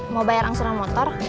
mau bayar angsuran motor